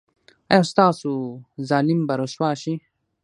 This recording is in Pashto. ایا ستاسو ظالم به رسوا شي؟